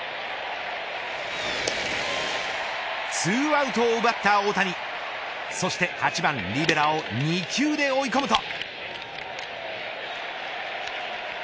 ２アウトを奪った大谷そして８番リベラを２球で追い込むと。